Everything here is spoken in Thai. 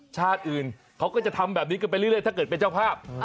ชาติอื่นเขาก็จะทำแบบนี้กันไปเรื่อยถ้าเกิดเป็นเจ้าภาพ